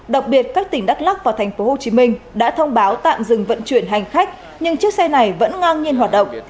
đặc biệt các tỉnh đắk lắc và tp hcm đã thông báo tạm dừng vận chuyển hành khách nhưng chiếc xe này vẫn ngang nhiên hoạt động